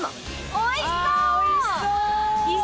おいしそう！